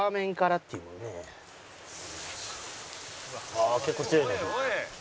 ああ結構強いね。